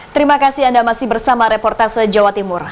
terima kasih anda masih bersama reportase jawa timur